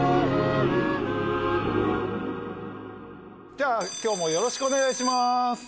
じゃあ今日もよろしくお願いします。